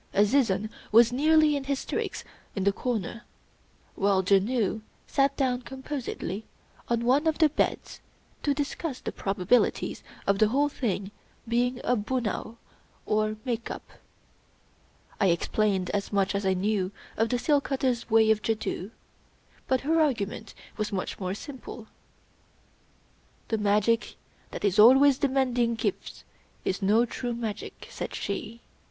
Azizun was nearly in hysterics in the corner; while Janoo sat down composedly on one of the beds to discuss the probabilities of the whole thing being a bunao, or " make up." I explained as much as I knew of the seal cutter's way of jadoo; but her argument was much more simple: — *'The magic that is always demanding gifts is no true magic," said she.